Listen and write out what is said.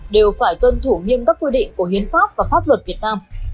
đều phải tuân thủ nghiêm các quy định của hiến pháp và pháp luật việt nam